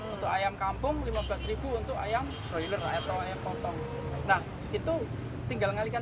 sembilan belas untuk ayam kampung lima belas untuk ayam broiler atau yang potong nah itu tinggal ngalikan